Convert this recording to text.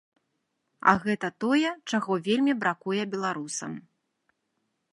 А гэта тое, чаго вельмі бракуе беларусам.